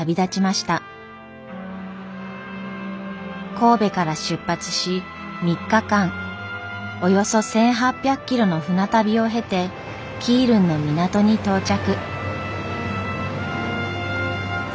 神戸から出発し３日間およそ１，８００キロの船旅を経て基隆の港に到着。